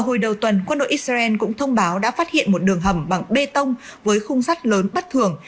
hồi đầu tuần quân đội israel cũng thông báo đã phát hiện một đường hầm bằng bê tông với khung sắt lớn bất thường